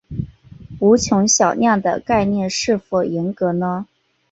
无穷小量的概念是否严格呢？